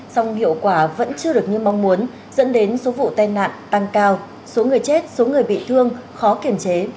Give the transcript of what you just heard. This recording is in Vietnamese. song hiệu quả vẫn chưa được như mong muốn dẫn đến số vụ tai nạn tăng cao số người chết số người bị thương khó kiểm chế